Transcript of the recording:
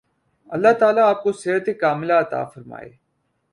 اللہ تعالی آپ کو صحت ِکاملہ عطا فرمائے۔